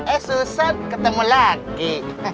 eh susan ketemu lagi